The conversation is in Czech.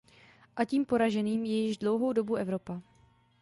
A tím poraženým je již dlouhou dobu Evropa.